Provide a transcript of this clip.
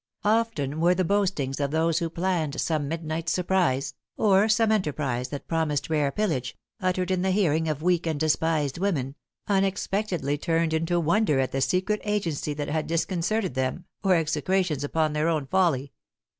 Often were the boastings of those who plotted some midnight surprise, or some enterprise that promised rare pillage uttered in the hearing of weak and despised women unexpectedly turned into wonder at the secret agency that had disconcerted them, or execrations upon their own folly.